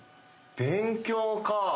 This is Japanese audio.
勉強か。